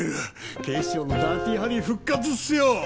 警視庁の「ダーティハリー」復活っすよ。